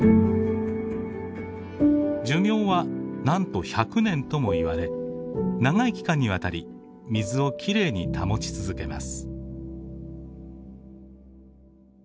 寿命はなんと１００年ともいわれ長い期間にわたり水をきれいに保ち続けます。